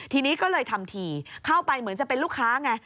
ทีนี้ก็เลยทำทีเข้าไปเหมือนจะเป็นลูกค้าไง